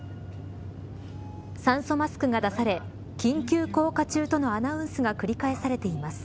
酸素マスクが出され緊急降下中とのアナウンスが繰り返されています。